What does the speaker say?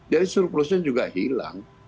jadi surplus nya juga hilang